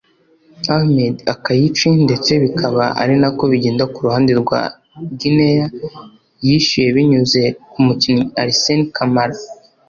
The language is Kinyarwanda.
Ahmed Akaichi ndetse bikaba ari nako bigenda ku ruhande rwa Guinea yishyuye binyuze ku mukinnyi Alseny Camara